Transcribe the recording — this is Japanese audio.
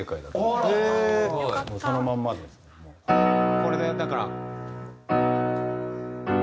これでだから。